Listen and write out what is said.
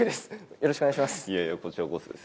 よろしくお願いします